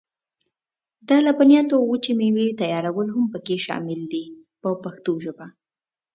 د لبنیاتو او وچې مېوې تیارول هم پکې شامل دي په پښتو ژبه.